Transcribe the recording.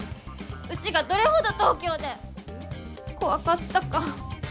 うちがどれほど東京で怖かったか。